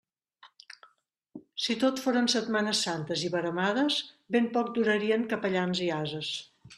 Si tot foren setmanes santes i veremades, ben poc durarien capellans i ases.